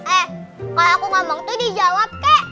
eh kalau aku ngomong tuh dijawab kek